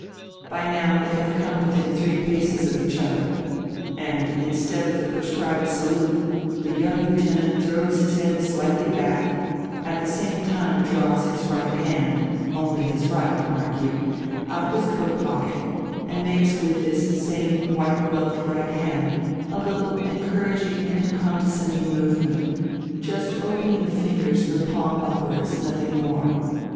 By now they have come within three paces of each other. And, instead of the prescribed salute, the young lieutenant throws his head slightly back, at the same time draws his right hand only his right, mark you out of his coat pocket and makes with this same white gloved right hand a little encouraging and condescending movement, just opening the fingers with palm upwards, nothing more.